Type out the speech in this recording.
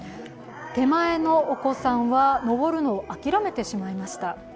手前のお子さんは、登るのを諦めてしまいました。